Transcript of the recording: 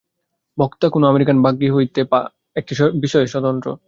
বক্তা কোন কোন আমেরিকান বাগ্মী হইতে একটি বিষয়ে স্বতন্ত্র।